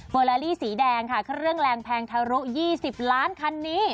อลาลี่สีแดงค่ะเครื่องแรงแพงทะลุ๒๐ล้านคันนี้